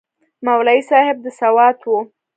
مولوي صاحب د سوات و.